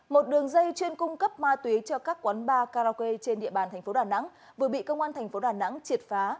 một đường dây chuyên cung cấp ma túy cho các quán bar karaoke trên địa bàn tp đà nẵng vừa bị công an tp đà nẵng triệt phá